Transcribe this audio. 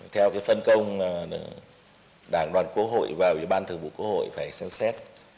theo phân công đảng đoàn quốc hội và ủy ban thường vụ quốc hội phải xem xét